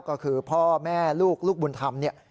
ก็คือพ่อแม่ลูกลูกบุญธรรม